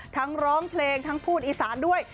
ร้องเพลงทั้งพูดอีสานด้วย